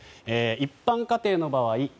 一般家庭の場合